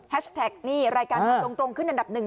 แท็กนี่รายการถามตรงขึ้นอันดับหนึ่ง